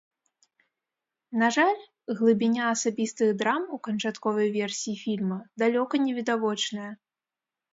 На жаль, глыбіня асабістых драм у канчатковай версіі фільма далёка не відавочная.